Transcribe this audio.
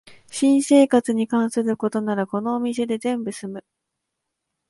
新生活に関することならこのお店で全部すむ